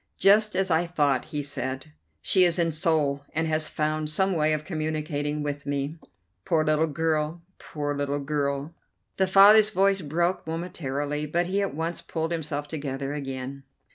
"Just as I thought," he said. "She is in Seoul and has found some way of communicating with me. Poor little girl, poor little girl." The father's voice broke momentarily, but he at once pulled himself together again.